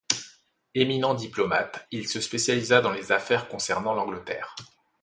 Éminent diplomate, il se spécialisa dans les affaires concernant l'Angleterre.